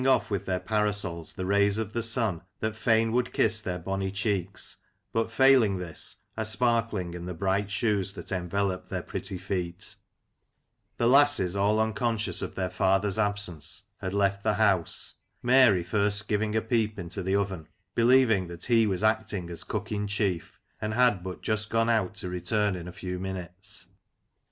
105 off with their parasols the rays of the sun that fain would kiss their bonnie cheeks, but failing this, are sparkling in the bright shoes that envelope their pretty feet The lasses, all unconscious of their father's absence, had left the house — Mary first giving a peep into the oven — believing that he was acting as cook in chief, and had but just gone out to return in a few minutes.